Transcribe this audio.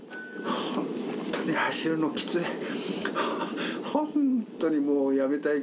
本当に走るのきつい。